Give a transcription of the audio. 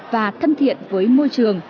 và thân thiện với môi trường